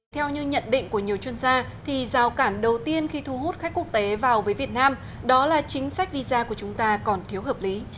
theo như nhận định của nhiều chuyên gia giao cản đầu tiên khi thu hút khách quốc tế vào với việt nam đó là chính sách visa của chúng ta còn thiếu hợp lý